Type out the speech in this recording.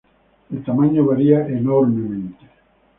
El tamaño varía enormemente.